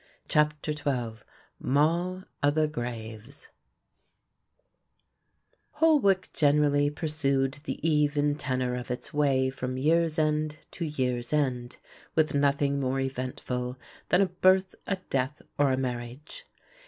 CHAPTER XII "MOLL O' THE GRAVES" Holwick generally pursued the even tenour of its way from year's end to year's end, with nothing more eventful than a birth, a death or a marriage.